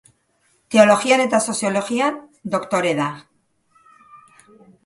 Teologian eta Soziologian doktore da.